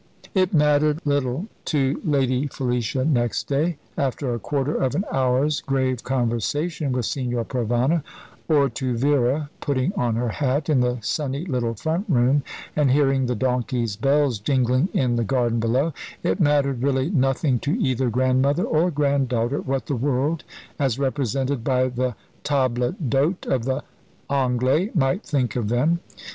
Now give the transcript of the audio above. It mattered little to Lady Felicia next day after a quarter of an hour's grave conversation with Signor Provana, or to Vera, putting on her hat in the sunny little front room, and hearing the donkey's bells jingling in the garden below; it mattered really nothing to either grandmother or granddaughter what the world, as represented by the table d'hôte of the "Anglais," might think of them.